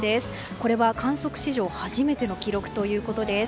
これは観測史上初めての記録ということです。